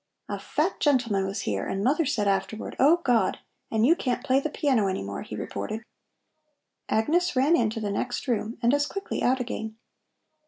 "A fat gentleman was here and mother said afterward: 'Oh God!' and you can't play the piano any more," he reported. Agnes ran into the next room and as quickly out again.